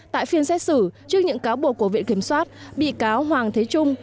tại phiên xét xử trước những cáo buộc của viện kiểm soát bị cáo hoàng thế trung